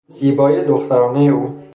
زیبایی دخترانهی او